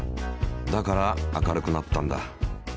だから明るくなったんだ。